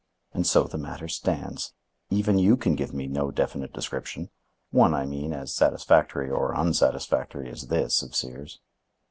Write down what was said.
And so the matter stands. Even you can give me no definite description,—one, I mean, as satisfactory or unsatisfactory as this of Sears."